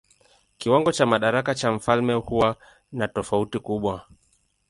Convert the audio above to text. Kiwango cha madaraka cha mfalme huwa na tofauti kubwa.